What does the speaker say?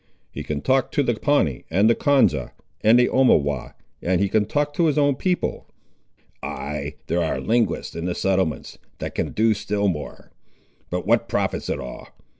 He can talk to the Pawnee, and the Konza, and the Omawhaw, and he can talk to his own people." "Ay, there are linguists in the settlements that can do still more. But what profits it all?